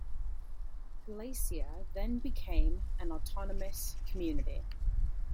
Galicia then became an autonomous community.